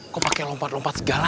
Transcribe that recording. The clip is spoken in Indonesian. kok pakai lompat lompat segala